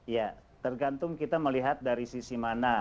ya tergantung kita melihat dari sisi mana